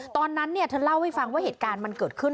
ตอนนั้นเธอเล่าให้ฟังว่าเหตุการณ์มันเกิดขึ้น